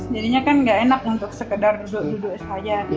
jadinya kan gak enak untuk sekedar duduk duduk saja